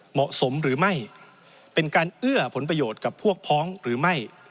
เหมาะสมหรือไม่เป็นการเอื้อผลประโยชน์กับพวกพ้องหรือไม่